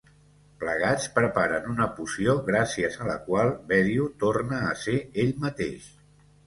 Plegats preparen una poció gràcies a la qual Bedio torna a ser ell mateix.